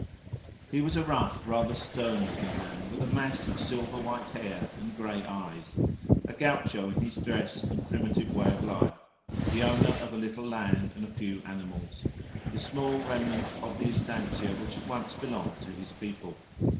He was a rough, rather stern looking man, with a mass of silver white hair and grey eyes; a gaucho in his dress and primitive way of life, the owner of a little land and a few animals the small remnant of the estancia which had once belonged to his people.